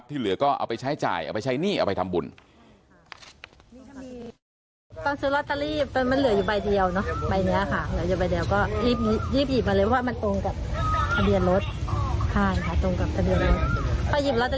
เหลือก็เอาไปใช้จ่ายเอาไปใช้หนี้เอาไปทำบุญ